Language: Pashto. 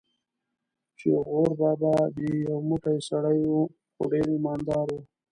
چې غور بابا دې یو موټی سړی و، خو ډېر ایمان دار و.